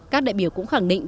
các đại biểu cũng khẳng định